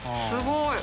すごい！